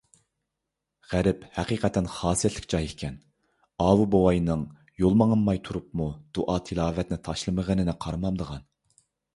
غەرب ھەقىقەتەن خاسىيەتلىك جاي ئىكەن، ئاۋۇ بوۋاينىڭ يول ماڭالماي تۇرۇپمۇ دۇئا - تىلاۋەتنى تاشلىمىغىنىنى قارىمامدىغان!